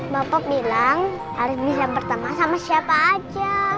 papa bilang harus bisa berteman sama siapa aja